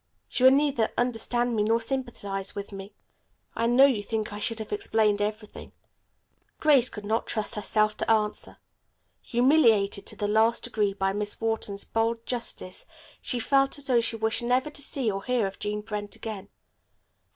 She would neither understand me nor sympathize with me. I know you think I should have explained everything." Grace could not trust herself to answer. Humiliated to the last degree by Miss Wharton's bald injustice, she felt as though she wished never to see or hear of Jean Brent again.